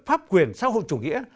pháp quyền xã hội chủ nghĩa